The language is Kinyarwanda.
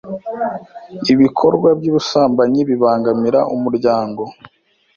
ibikorwa byubusambanyi bibangamira umuryango